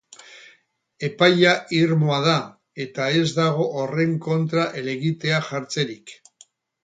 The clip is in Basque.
Epaia irmoa da, eta ez dago horren kontra helegitea jartzerik.